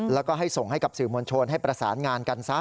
แล้วก็ให้ส่งให้กับสื่อมวลชนให้ประสานงานกันซะ